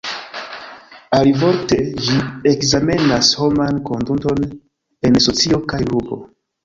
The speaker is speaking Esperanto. Alivorte, ĝi ekzamenas homan konduton en socio kaj grupo.